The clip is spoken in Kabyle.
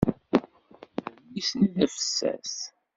Adlis-nni d afessas.